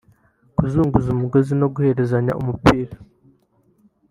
kuzunguza umugozi no guherezanya umupira